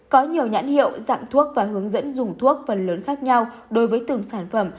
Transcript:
có nhiều nhãn hiệu dạng thuốc và hướng dẫn dùng thuốc phần lớn khác nhau đối với từng sản phẩm